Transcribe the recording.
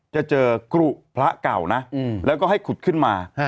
จะเจอกรุพระเก่านะแล้วก็ให้ขุดขึ้นมา